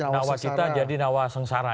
nawacita jadi nawasengsara